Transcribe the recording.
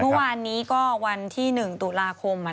เมื่อวานนี้ก็วันที่๑ตุลาคม